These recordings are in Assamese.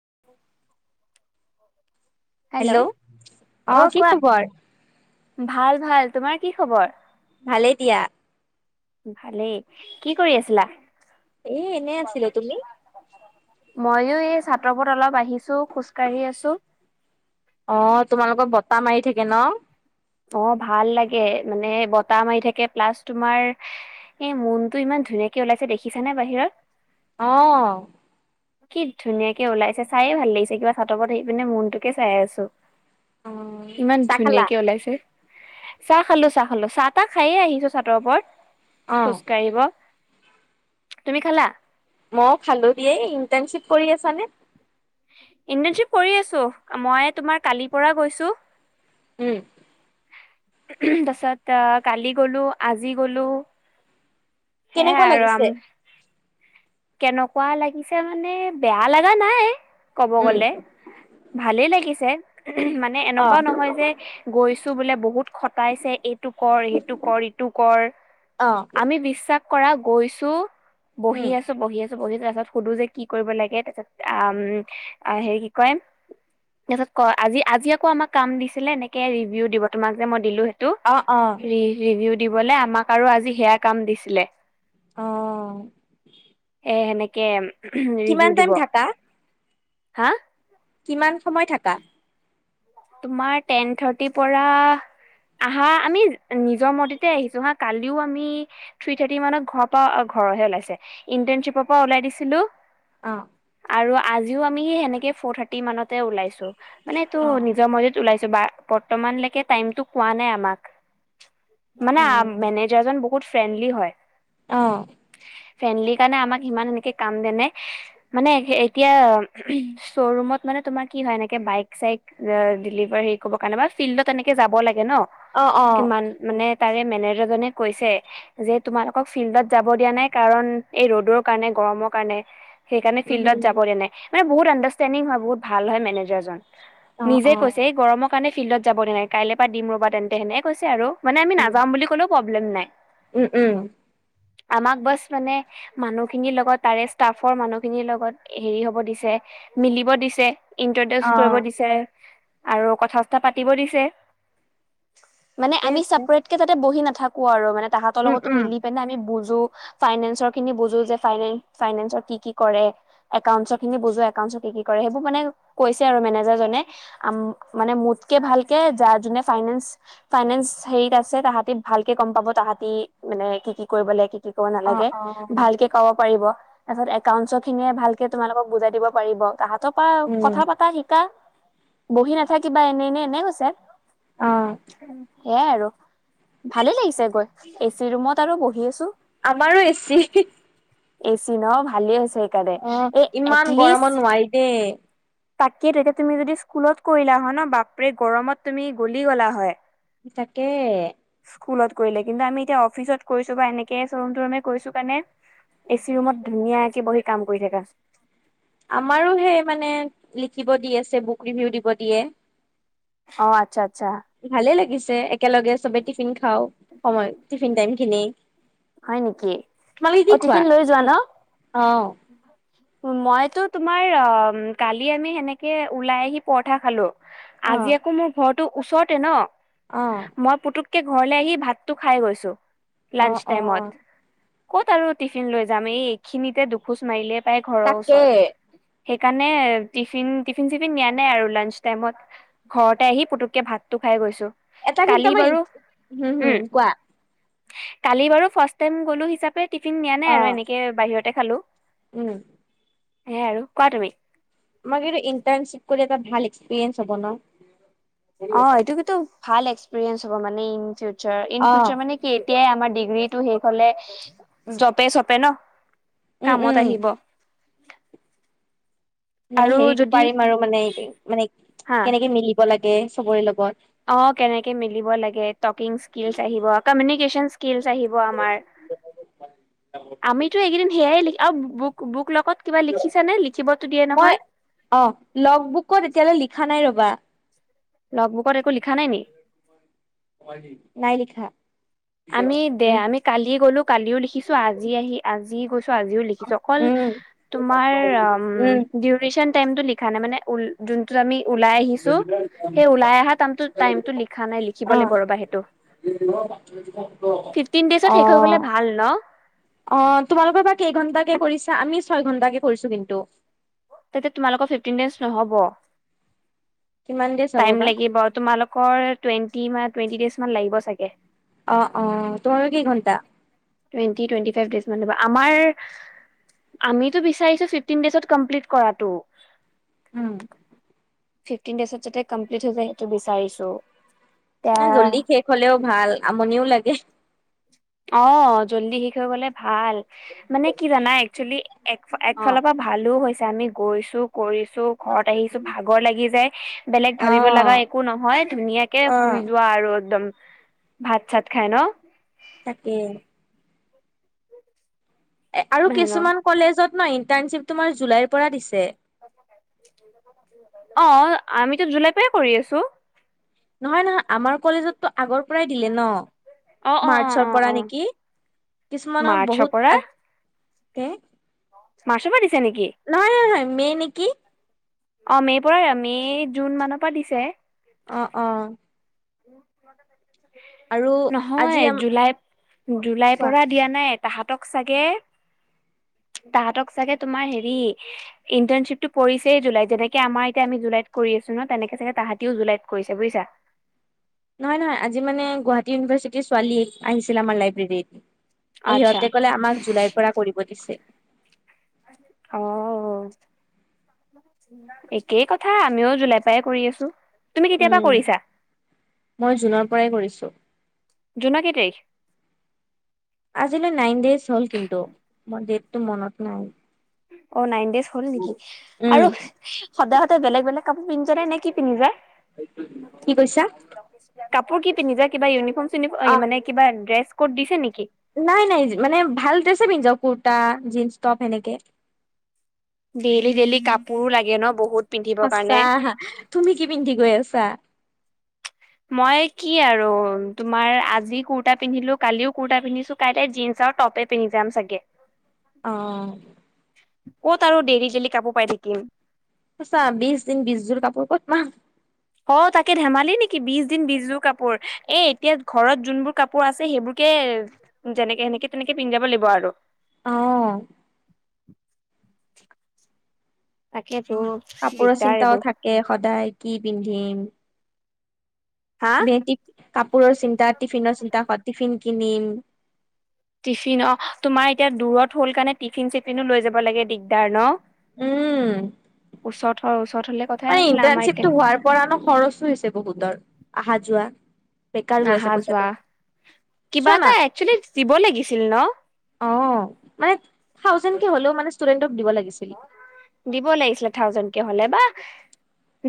[inaudible] হেল্ল! অ আহ কি কোৱা খবৰ? ভাল ভাল। তোমাৰ কি খবৰ? ভালেই দিয়া। ভালেই। কি কৰি আছিলা? এ এনেই আছিলো। তুমি? মইও এই ছাতৰওপৰত অলপ আহিছো খোজকাাঢ়ি আছো। অ তোমালোকৰ বতাহ মাৰি থাকে ন। অ ভাল লাগে মানে বতাহ মাৰি থাকে প্লাছ তোমাৰ এই মোনটো ইমান ধুনীয়াকে ওলাইছে দেখিছা নে বাহিৰত। আহ। কি ধুনীয়াকে ওলাইছে চায়ে ভাল লাগিছে কিবা চাটপত আহি পিনে মনটোকে চাই আছো। অ ইমান চাহ খালা ধুনীয়াকে ওলাইছে। চাহ খালো চাহ খালো চাহ তাহ খাইে আহিছো চাহৰ ওপৰত অ খোজকাঢ়িব। তুমি খালা? মই খালোঁদিয়ে। ইণ্টাৰ্ণশ্বিপ কৰি আছানে? ইণ্টাৰনশ্বিপ কৰি আছো। মই তোমাৰ কালিৰ পৰা গৈছো। উম। তাৰছত কালি গলো আজি গলো। সে কেনেকুৱা আৰু লাগিছে আম কেনেকুৱা লাগিছে মানে বেয়া লগা নাই। ক'ব উম গলে ভালেই লাগিছে। উ মানে অ এনেকুৱাও নহয় যে গৈছো বোলে বহুত খটাইছে টো কৰ সেইটো কৰ ইটো কৰ অ আমি বিশ্বাস কৰা গৈছো উম বহি আছোঁ আছোঁ তাৰ পাছত সুধো যে কি কৰিব লাগে তাৰ পাছত আম হেৰি কি কয় তাৰপিছত ক আজি আজি আকৌ আমাক কাম দিছিলে এনেকে ৰিভিউ দিব তোমাক যে মই দিলো টো অ অ ৰিভিউ দিবলে আমাক আৰু আজি সেয়া কাম দিছিলে। অ। হে নেনেকে কিমান ৰিভিউ টাইম দিব। থাকা কিমান সময় থাকা। তোমাৰ টেন থাৰ্টিৰ পৰা আহা আমি নিজৰ মৰতে আহিছো হা, কালিও আমি থ্ৰী থাৰ্টি মানত ঘৰ পৰা ঘৰহে ওলাইছে, ইন্টাৰ্শ্বিপৰ পৰা ওলাই দিছিলো। অ'। আৰু আজিও আমি সেই সেনেকে ফ'ৰ থাৰ্টি মানতে ওলাইছো। মানে তো অহ'। নিজৰ মজিত ওলাইছো বা-বৰ্তমানলৈকে টাইতো কোৱা নাই আমাক। মানে আ উম মেনেজাৰজন বহুত ফ্ৰেণ্ডলি হয়। অহ'। ফ্ৰেণ্ডলি কাৰণে আমাক সিমান এনেকে কাম নেনে মানে এতিয়া শ্ব'ৰুমত মানে তোমাৰ কি হয় এনেকে বাইক চাইক [unintelligible] ডিলিভাৰ হেৰি কৰিব কাৰণে বা ফিল্ডত এনেকে যাব লাগে ন, অ অ কিমান মানে তাৰে মেনেজাৰ জনে কৈছে যে, তোমালোকক ফিল্ডত যাব দিয়া নাই কাৰণ এই ৰ'দৰ কাৰণে গৰমৰ কাৰণে। সেইকাৰণে উম ফিল্ডত যাব নাই, মানে বহুত আণ্ডাৰষ্টেণ্ডিং হয় বহুত ভাল হয়, মেনেজাৰজন। অ নিজে অ কৈছে এই গৰমৰ কাৰণে ফিল্ডত যাব নে নাই কাইলৈ পৰা দিম ৰ'বা তেন্তে সেনেকে কৈছে আৰু। মানে আমি উম নাযাম বুলি কলেওঁ প্ৰব্লেম নাই। উম', উম'। আমাক বছ মানে মানুহখিনিৰ লগত তাৰে ষ্টাফৰ মানুহখিনিৰ লগত হেৰি হ'ব দিছে। মিলিব দিছে। অ ইন্ট্ৰডিউচ কৰিব দিছে, আৰু কথা চথা পাতিব দিছে। মানে ঠিকে আমি আছে চেপাৰেট কে তাতে বহি নাথাকো আৰু মানে তাহাঁতৰ উম লগতো উম মিলি পেনে আমি বুজ বুজো ফ্ৰাইনেচৰখিনি বুজো যে ফ্ৰাইনে-ফ্ৰাইনেচৰ কি কি কৰে, একাউণ্টখিনি বুজো একাউণ্ট একাউণ্ট কি কৰে সেইবোৰ মানে কৈছে আৰু মেনেজাৰজনে। আম, মানে মোতকে ভালকে যা-যোনে ফ্ৰাইনেচ্, ফ্ৰাইনেচ্ হেৰিচ আছে তাহতে ভালকে গম পাব তাহতি, মানে কি কি কৰিব লাগে, কি কি কৰিব অ নালাগে অ ভালকে ক'ব পাৰি পাৰিব। তাৰ পিছত একাউন্টছৰ খিনিয়ে, ভালকে তোমালোকক বুজাই দিব পাৰিব। তাহাঁতৰ পৰা উম কথা পাতা শিকা, বহি নাথাক কিবা এনেই এনে এনেই গৈছে। অহ'। সেয়াই আৰু ভালে লাগিছে গৈ, এ চি ৰুমত আৰু বহি আছো আমাৰো এ চি। এ চি ন ভালেই হৈছে সেইকাৰণে, এ ইমান গৰমত এটলিষ্ট নোৱাৰি দেই তাকে তেতিয়া তুমি যদি স্কুলত কৰিলা হয় ন, বাপৰে গৰমত তুমি গলি গ'লা হয়। সঁচাকে। স্কুলত কৰিলে কিন্তু আমি এতিয়া অফিচত কৈছো বা এনেকে চৰুম টৰুমে কৰিছো কাৰাণে এ চি ৰুমত ধুনীয়াকে বহি কাম কৰি থাকা। আমাৰো সেই মানে লিখিব দি আছে, বুক ৰিভিউ দিব দিয়ে। অহ' আচ্ছা। আচ্ছা ভালে লাগিছে একেলগে চবে টিফিন খাওঁ। সময় টিফিন টাইম খিনি হয় নেকি? তোমালোকে কি অহ, খোৱা টিফিন লৈ যোৱা ন। অ মইতো তোমাৰ অহ, কালি আমি সেনেকে ওলাই আহি পৰঠা খালো। অ আজি আকৌ মোৰ ঘৰটো ওচৰতে ন অ মই পুতুক কে ঘৰলে আহি ভাতটো খাই গৈছো, অ লাঞ্চ অ টাইমত। ক'ত আৰু টিফিন লৈ যাম, এই এইখিনিতে দুখোজ মাৰিলে পাই ঘৰৰ তাকে ওচৰত। সেইকাৰণে টিফিন টিফিন চিফিন নিয়া নাই আৰু লাঞ্চ টাইমত ঘৰতে আহি পুতুককে ভাত তো। খাই গৈছো। এটা কিন্তু কালি বাৰু আমাৰ হম উম হম কোৱা কালি বাৰু ফাষ্ট টাইম গলো হিচাপে টিফিন নিয়া নাই আৰু এনেকে বাহিৰতে খালোঁ। ওঁ। হেয়াই আৰু কোৱা তুমি। মাক ইণ্টাৰ্নশিপ কৰি এটা ভাল এক্সপেস হব ন। অ' সেইটো কিন্ত ভাল এক্সৰিয়েঞ্চ হব মানে in future, in uh future মানে কি এতিয়াই আমাৰ ডিগ্ৰীটো শেইষ হলে জপে চপে ন, উম কামত উম আহিব। মানে আৰু হেৰিতটো যদি পাৰিম আৰু মানে মানে হা কেনেকে মিলিব লাগে চবৰে লগত। অ' কেনেকে মিবিব লাগে টকিং স্কিল আহিব কমিনিকেচন স্কিল আহিব আমাৰ, আমিতো এইকেইদিন সেয়াই ল বু বুক লগত কিবা লিখিছ নে লিখিবতো দিয়ে মই নহয়। অ লগ বুকত এতিয়ালৈ লিখা নাই ৰবা লগ বুকত একো লিখা নাই নেকি? নাই লিখা। আমি দে উম আমি কালি গ'লো কালিও লিখিছো আজি আহি আজি গৈছো আজিও লিখিছো অকল উম তোমাৰ উম দিউৰেচন টাইম টো ানে মান উ আমি ওলাই আহিছো, সেই ওলাই অহা টাইমতটো লিখা নাই লিখিব লাগিব ৰবা সেইটো। উ ফিফটিন ডেইজত শেষ হৈ গ'লে অ', ভাল ন অ' তোমালোকৰ পৰা কেইঘন্ট কে কৰিছে? আমি ছয় ঘন্টাকে কৰিছো কিন্তু। তেতিয়া তোমালোকৰ ফিফটিন ডেজ নহ'ব। কিমান দেৰি চাব টাইম বা লাগিব তোমালোকৰ টুৱেণ্টি টুৱেন্টিজ লাগিব চাগে। অ' অ' তোমাৰো কেই ঘণ্টা? টুৱেন্টি টুৱেন্টি ফাইভ ডেজ আমাৰ আমিতো বিচাৰিছো ফিফটিন ডজত কমপ্লিট কৰাটো। উম। ফিফটপ্লি যাতে কমলিপট হৈ যায় সেইটো বিচাৰিছো। এ জল্দি এতিয়া শেষ হলেও ভাল আমনিও লাগে। অ' জল্দি শেষ হৈ গলে ভাল, মানে কি জানা একচোবেলি এক অ একফালৰ পৰা ভালো হৈছে আমি গৈছো কৰিছো। ঘৰত আহিছো ভাগৰ লাগি যায় বেলেগ অ ভাবিব লগা একো নহয় ধুনীয়াকে অ শুই যোৱা। আৰু একদম ভাত চাত খাই ন। তাকে। এ আৰু ন কিছুমান কলেজত ন ইণ্টাৰ্নশ্বিপ তোমাৰ জুলাইৰ পৰা দিছে। অ' আমিতো জুলাই পৰা কৰি আছো। নহয় নহয় আমাৰ কলেজতো আগৰ পৰাই দিলে ন, অ অ অ মাৰ্চৰ অ পৰা অ নেকি? কিছুমানৰ মাৰ্চৰ বহুত আ মাছৰ পৰা দিছে নেকি? নহয় নহয় নহয় মে নেকি? অ' মেৰ পৰাই মে জুন মানৰ পৰা দিছে। অ' অ'। উ ম আৰু আজি নহয় আম জুলাই, জুলাইৰ কোৱা পৰা দিয়া নাই। তাহাঁতক চাগে তাহাঁতক চাগে তোমাৰ হেৰি ইণ্টাৰ্ণশ্বিপ টো পৰিছেই জুলাইত যেনেকে আমাৰ এতিয়া আমি জুলাইত কৰি আছো। ন তেনেকে চাগে তাহাঁতিও জুলাইত কৰিছে বোইছা? নহয় নহয় আজি মানে গুৱাহাটী ইউনিভাৰ্চিটিৰ ছোৱালী আহিছিল আমাৰ লাইব্ৰেৰীত। ত আচ্ছা সিহঁতে কলে আমাক জুলাইৰ পৰা কৰিব দিছে। আহ। একেই কথা আমিও জোলাই পৰায় কৰি আছো। তুমি কেতিয়াৰ পৰা উম, কৰিছা মই জুনৰ পৰাই কৰিছো। জোনৰ কেই টাৰিখ? আজিলৈ নাইন ডেজ হ'ল কিন্তু মই ডেতটো মনত নাই অ' নাইন দেজ হ'ল নেকি উম আৰু সদায় সদায় বেলেগ বেলেগ কাপোৰ পিন্ধ নে কি পিন্ধিবা কি কৈছা কাপোৰ কি পিন্ধি যোৱা কিবা উনিফৰ্ম চিনিফম অ মানে কিবা ড্ৰেছ ক'ড দিছে নেকি নাই নাই মানে ভাল ড্ৰেছে পিন্ধি যাও কুুৰ্তা জন্স টপ সনেকে ডেইলি ডেইলি কাপোৰো লাগে ন বহুত পিন্ধিবৰ কাৰণে। সঁচা তুমি কি পিন্ধি গৈ আছা মই কি আৰু তোমাৰ আজি কুৰ্তা পিন্ধিলো কালিও কুৰ্তা পিন্ধিছো কাইলে জীন্স আউ টপে পিন্ধি যাম চাগে অ', ক'ত আৰু দেলি ডেলি কাপোৰ পাই থাকিম আচা বিশ দিন বিশযোৰ কাপোৰ ক'ত পাম অ তাকে ধেমালি নেকি বিশ দিন বিচযোৰ কাপোৰ এ এতিয়া ঘৰত যোনবোৰ কাপোৰ আছে সেইবোৰ কে যেনেকে সেনেকে তেনেকে পিন্ধাব লাগিব আৰু অ', তাকে কাপোৰৰ চিন্তাও থাকে সদায় কি পিন্ধিম হা এনে কাপোৰৰ চিন্তা টিফিনৰ চিন্তা টিফিন কিনিম টিফিন অ', তোমাৰ এতিয়া দূৰত হল কাৰণে টিফিন চিফিনো লৈ যাব লাগে দিগদাৰ ন উম ওচৰত হয় ওচৰত হলে কথাই মানে নাছিলে আমাৰ এতিয়া ইণ্টাৰ্ণশ্বিপটো হোৱাৰ পৰা নো খৰচো হৈছে বহুতৰ অহা যোৱা বেকাৰ গৈ আছে অহা যোৱা পইচাটো চোৱা কিবা না এটা একচুৱেলি দিব লাগিছিল ন অ', মানে থাউজেণ্ড কে হলেও মানে ষ্টুডেণ্টক দিব লাগি দিব লাগিছিলে থাউজেনকে হলে বা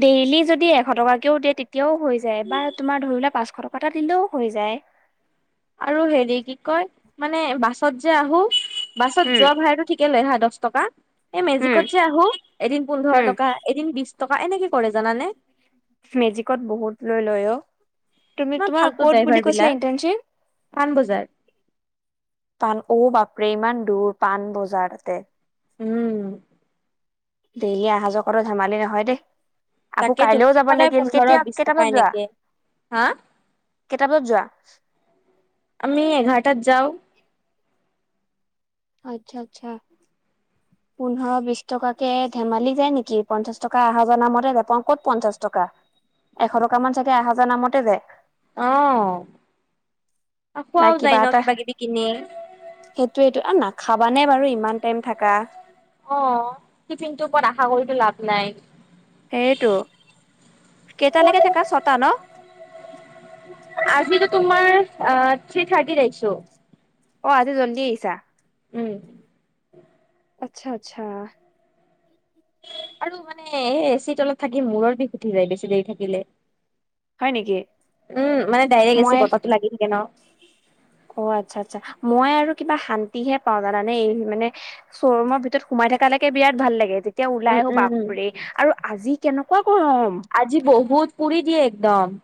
ডেইলি যদি এশ টকাকেও দিয়ে তেতিয়াও হৈ যায় বা তোমাৰ ধৰি লা পাঁচশ টকা এটা দিলেও হৈ যায় আৰু হেৰি কি কয় মানে বাছত যে আহো বাছত উম যোৱা ভাড়াটো ঠিকে লয় হা দচ টকা এই উম মেজিকত যে আহো এদিন পোন্ধৰ উম টকা এদিন বিশ টকা এনেকে কৰে জানানে মেজিকত বহুত লৈ লয় অ' তুমি ইমান তোমাৰ ফাল্টু ক'ত ড্ৰাইভাৰ বুলি কৈছিলা বিলাক ইন্টাৰ্নশিপ পাণবজাৰ পাণ অ' বাপৰে ইমান দূৰ পাণ বজাৰতে উম দেইলি আহা যোৱা কৰা ধেমালি নহয় দেই আকৌ তাকেতো কাইলৈও যাব সদায় লাগিল পোন্ধৰ কেতিয়া বিশ কেইটা টকা বজাত যোৱা এনেকে হা কেইটা বজাত যোৱা আমি এঘাৰটাত যাওঁ আচ্ছা আচ্ছা [inaudible] পোন্ধৰ বিশ টকাকে ধেমালি যায় নেকি পঞ্চাশ টকা আহাযোৱা নামতে যায় ক'ত পঞ্চাশ টকা এশ টকামান চাগে আহাযোৱা নামতে যায় অ', নাই খোৱাও যায় ন এটা কিবা কিবি কিনি খাবা নে বাৰু ইমান টাইম থাকা অ', টিফিন টো ওপৰত আশা কৰিতো লাভ নাই সেইটো কেইটালৈকে থাকা ছটা ন? আজিতো তোমাৰ থ্ৰি থাৰ্টিত আহিছো। অ' আজি জল্ডি আহিছা? উম আচ্ছা আচ্ছা আৰু মানে এচি তলত থাকি মূৰৰ বিষ উঠি যায় বেছি দেৰি থাকিলে হয় নেকি উম মানে মই এচিৰ বতাহটো লাগি থাকে ন অ আচ্ছা আচ্ছা মই আৰু কিবা শান্তিহে পাওঁ জানানে এই মানে শ্ব'ৰুমৰ ভিতৰত সোমাই থকালেকে বিৰাট ভাল লাগে তেতিয়া ওলাই উম আহো উম বাপৰে আৰু আজি কেনেকুৱা গৰম আজি বহুত পুৰি দিয়ে একদম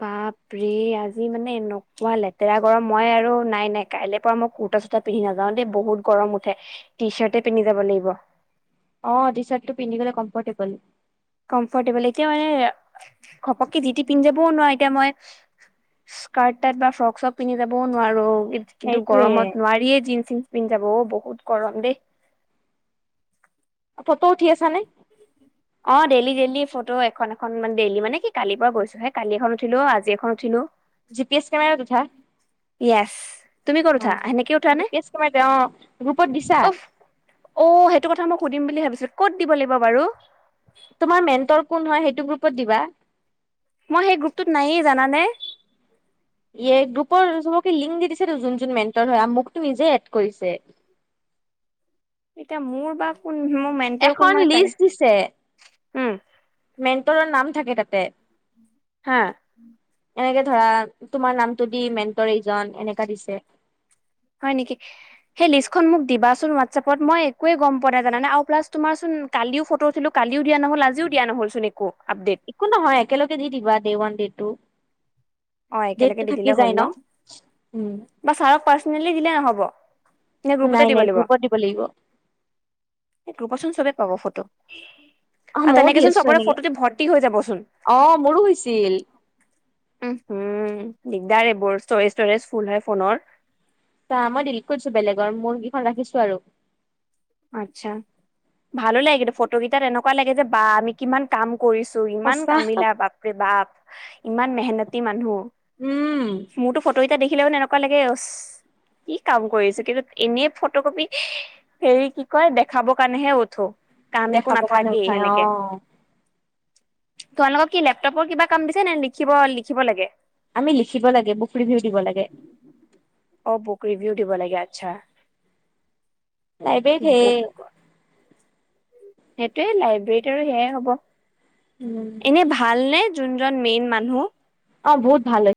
বাপৰে আজি মানে এনেকুৱা লেতেৰা গৰম মই আৰু নাই নাই কাইলে পৰা মই কু কুটা চুতা পিন্ধি নাযাও দেই বহুত গৰম উঠে টি চাৰ্টে পিন্ধি যাব লাগিব অ টি চাৰ্টটো পিন্ধি গলে কম্ফৰ্টেবল কম্ফৰ্টেবল এতিয়া মানে ঘপককে যি তি পিন্ধি যাবও নোৱাৰি, এতিয়া মই স্কাৰ্ট তাত বা ফ্ৰক চব পিন্ধি যাবও নোৱাৰো কিন্তু সেইটোয়ে গৰমত নোৱাৰিয়ে জিনচ পিন্ধি যাব অ বহুত গৰম দেই ফটো উঠি আছা নে? অ ডেইলি ডেইলি ফটো এখন এখন ডেইলি মানে কি কালিৰ পৰা গৈছো সেই কালি এখন উঠিলো আজি এখন উঠিলো জিপিএছ কেমেৰাত উঠা? য়েছ তুমি ক'ত উঠা সেনেকে উঠা অ'জি নে পি এছ কেমেৰাতে অ গ্ৰুপত দিছা? উফ অ সেইটো কথা মই সুধিম বুলি ভাবিছো ক'ত দিব লাগিব বাৰু? তোমাৰ মেণ্টৰ কোন হয় সেইটো গ্ৰুপত দিবা মই সেই গ্ৰুপটোত নাইয়ে জানানে ইয়ে গ্ৰুপৰ চবকে লিংক দি দিছে যোন যোন মেন্টল হয় মোকটো নিজে এড কৰিছে এতিয়া মোৰ বা কোন মোৰ মেণ্টৰ কোন এখন মই তাক লিষ্ট উম মেণ্টৰৰ নাম থাকে তাতে হা এনেকে ধৰা তোমাৰ নামটো দি মেণ্টৰ এইজন এনেকা দিছে হয় নিকি সেই লিষ্টখন মোক দিবাচোন হোৱাটচএপত মই একোৱে গম পোৱা নাই জনানে আৰু প্লাচ তোমাৰ চোন কালিও ফটো উঠিলো কালিও দিয়া নহল আজিও দিয়া নহল চোন একো আপডেট একো নহয় একেলগে দি দিবা দে ওৱান দে টু অ একেলগে ডেটটো দি থাকি দিলে হ'ল যায় ন উম বা ছাৰক পাৰ্চনেলি দিলে নহ'ব এ গ্ৰুপতে নাই দিব নাই লাগিব গ্ৰুপত দিব লাগিব গ্ৰুপত চোন চবে পাব ফটো অ আৰু মইও দি তেনেকেচোন আছো চবৰে এনেকে ফটোতে ভৰ্তি হৈ যাবচোন অ মোৰো হৈছিল উম হুম দিগদাৰে এইবোৰ ষ্টৰেজ ষ্টৰেজ ফুল হয় ফোনৰ ত মই দিলিট কৰিছো বেলেগৰ মোৰ কেইখন ৰাখিছো আৰু আচ্ছা ভালো লাগে ফটো কেইটাৰ এনেকুৱা লাগে যে বা আমি কিমান কাম কৰিছো ইমান সঁচা কামিলা বাপেৰে বাপ ইমান মেহনতি মানুহ উম মোৰটো ফটো দেখিলে মানে এনেকুৱা লাগে ইচ অ কি কাম কৰিছো কিন্তু এনেই ফটো কপি হেৰি কি কয় দেখাবৰ কাৰণেহে উঠো কাম একো দেখাব কাৰণে নাথাকেই উঠাই অ সেনেকে তোমালোকক কি লেপটপৰ কিবা কাম দিছে নে লিখিব লিখিব লাগে আমি লিখিব লাগে বুক ৰিভিউ দিব লাগে অ বুক ৰিভিউ দিব লাগে আচ্ছা চাই বে ঢেই বুক সেইটোয়ে লাইব্ৰৰীত আৰু সেয়াই উম হ'ব এনে ভাল নে যোনজন মেইন মানুহ অ বহুত ভাল অ